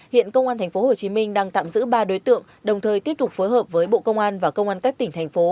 hiện công an tp hcm đang tạm giữ ba đối tượng đồng thời tiếp tục phối hợp với bộ công an và công an các tỉnh thành phố